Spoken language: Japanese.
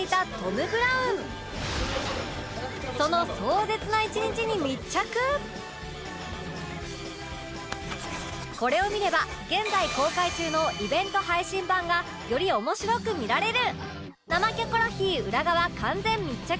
そのこれを見れば現在公開中のイベント配信版がより面白く見られる！